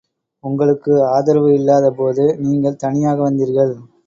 உங்களுக்கு ஆதரவு இல்லாத போது நீங்கள் தனியாக வந்தீர்கள்.